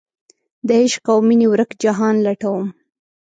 دعشق اومینې ورک جهان لټوم